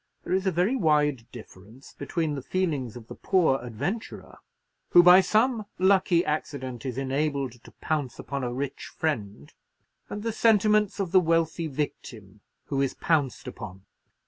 There is a very wide difference between the feelings of the poor adventurer—who, by some lucky accident, is enabled to pounce upon a rich friend—and the sentiments of the wealthy victim who is pounced upon.